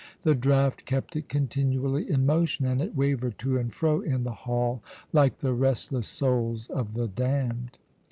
The draught kept it continually in motion, and it wavered to and fro in the hall, like the restless souls of the damned.